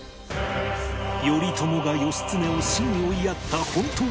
頼朝が義経を死に追いやった本当の理由